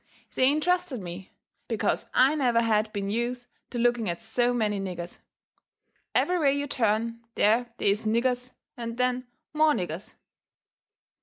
They intrusted me, because I never had been use to looking at so many niggers. Every way you turn there they is niggers and then more niggers.